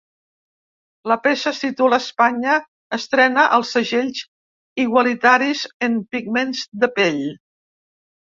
La peça es titula Espanya estrena els ‘segells igualitaris’ en pigments de pell.